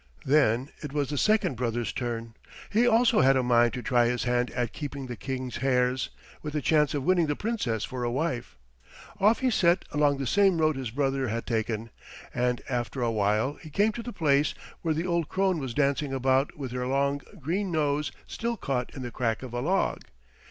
Then it was the second brother's turn. He also had a mind to try his hand at keeping the King's hares, with the chance of winning the Princess for a wife. Off he set along the same road his brother had taken, and after a while he came to the place where the old crone was dancing about with her long, green nose still caught in the crack of a log.